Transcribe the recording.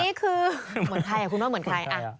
นี่คือเหมือนใครคุณว่าเหมือนใคร